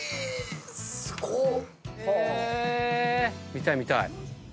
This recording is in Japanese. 見たい見たい。